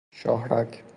شاهرگ